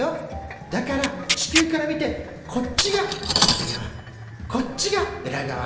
だから地球から見てこっちが表側こっちが裏側。